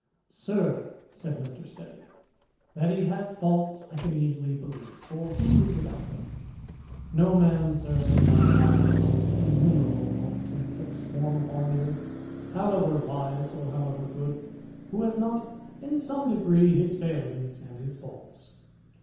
" Sir," said Mr. Steady, " that he has faults I can easily believe, for who is without them ? No man, sir, is now alive, among the innumerable multi tudes that swarm upon the earth, however wise or however good, who has not, in some degree, his failings and his faults.